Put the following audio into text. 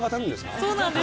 そうなんです。